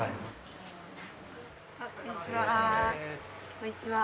こんにちは。